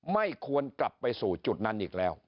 ไม่ควรกลับไปสู่จุดนั้นอีกแล้ว